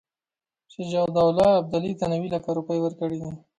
شجاع الدوله ابدالي ته نیوي لکه روپۍ ورکړي دي.